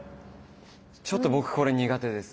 ちょっと僕これ苦手です。